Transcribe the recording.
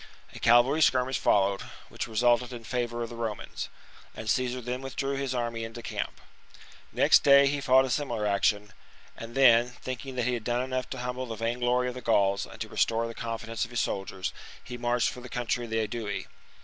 A cavalry skirmish followed, which resulted in favour of the Romans ; and Caesar then withdrew his army into camp. Next day he fought a similar action ; and then, thinking that he had done enough to humble the vainglory of the Gauls and to restore the confidence of his soldiers, he marched for the country of the Aedui.